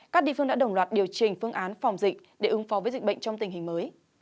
các địa phương đã đồng loạt điều chỉnh phương án phòng dịch để ứng phó với dịch bệnh trong tình hình mới